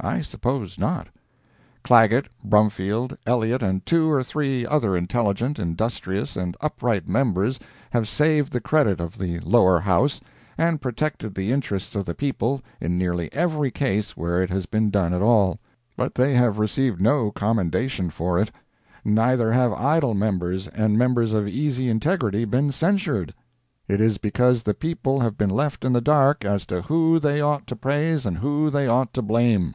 I suppose not. Clagett, Brumfield, Elliott, and two or three other intelligent, industrious and upright members have saved the credit of the Lower House, and protected the interests of the people, in nearly every case where it has been done at all—but they have received no commendation for it; neither have idle members, and members of easy integrity, been censured. It is because the people have been left in the dark as to who they ought to praise and who they ought to blame.